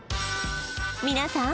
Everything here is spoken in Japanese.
皆さん